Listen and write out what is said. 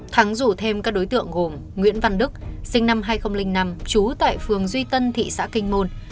thắng rủ thêm các đối tượng gồm nguyễn văn đức sinh năm hai nghìn năm trú tại phường duy tân thị xã kinh môn